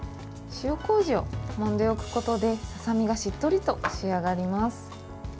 塩こうじをもんでおくことでささみがしっとりと仕上がります。